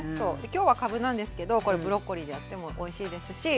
今日はかぶなんですけどこれブロッコリーでやってもおいしいですし。